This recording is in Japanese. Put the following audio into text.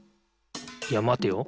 いやまてよ。